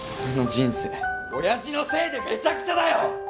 俺の人生親父のせいでめちゃくちゃだよ！